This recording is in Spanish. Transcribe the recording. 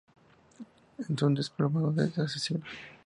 Es un despoblado desde hace siglos.